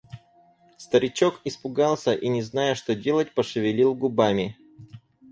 Старичок испугался и, не зная, что делать, пошевелил губами.